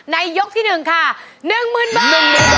ในยกที่หนึ่งค่ะนึ่งหมื่นบาท